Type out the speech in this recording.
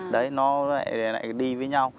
đấy nó lại đi với nhau